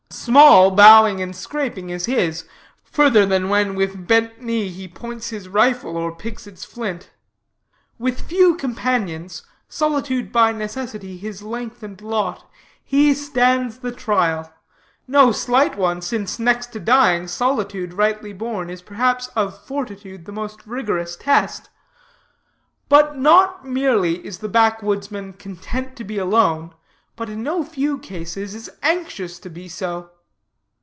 Small bowing and scraping is his, further than when with bent knee he points his rifle, or picks its flint. With few companions, solitude by necessity his lengthened lot, he stands the trial no slight one, since, next to dying, solitude, rightly borne, is perhaps of fortitude the most rigorous test. But not merely is the backwoodsman content to be alone, but in no few cases is anxious to be so.